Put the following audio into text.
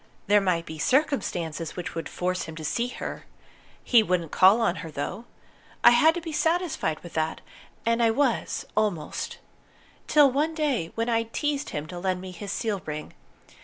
There might be circumstances which would force him to see her. He wouldn't call on her, though. I had to be satisfied with that, and I was almost, till one day when I'd teased him to lend me his seal ring.